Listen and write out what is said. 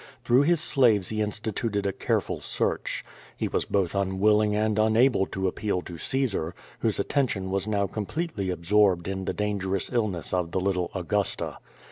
Through his slaves he instituted a careful search. He was both imwilling and unable to appeal to Caesar, whose atten tion was now completely absorbed in the dangerous illness of the little Augusta.